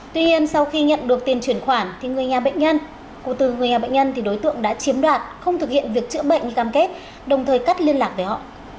tuy nhiên sau khi nhận được tiền chuyển khoản thì người nhà bệnh nhân cụ từ người nhà bệnh nhân thì đối tượng đã chiếm đoạt không thực hiện việc chữa bệnh như cam kết đồng thời cắt liên lạc với họ